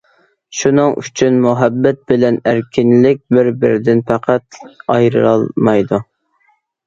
شۇنىڭ ئۈچۈن، مۇھەببەت بىلەن ئەركىنلىك بىر- بىرىدىن پەقەت ئايرىلالمايدۇ.